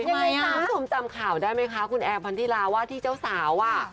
ยังไงสามสมจำข่าวได้ไหมคะคุณแอร์พันธีราวะที่เจ้าสาวอะ